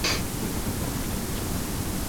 নেভানোর চেষ্টা করছি, দাঁড়াও!